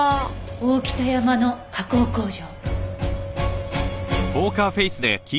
大北山の加工工場。